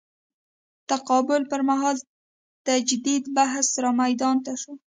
تقابل پر مهال تجدید بحث رامیدان ته شو.